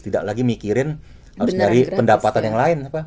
tidak lagi mikirin harus nyari pendapatan yang lain